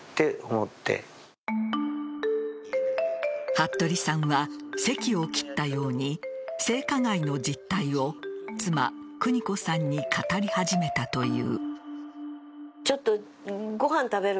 服部さんはせきを切ったように性加害の実態を妻、くに子さんに語り始めたという。